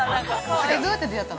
どうやって出会ったの？